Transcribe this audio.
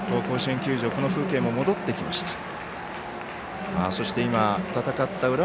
この風景も戻ってきました。